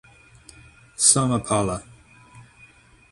Somapala.